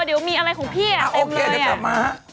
เดี๋ยวมีอะไรของพี่อะเต็มเลยอะโอเคเดี๋ยวกลับมา